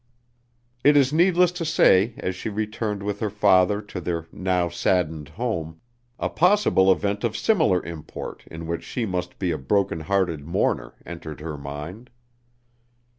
It is needless to say as she returned with her father to their now saddened home, a possible event of similar import in which she must be a broken hearted mourner entered her mind.